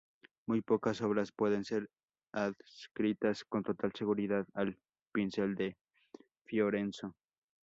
Muy pocas obras pueden ser adscritas con total seguridad al pincel de Fiorenzo.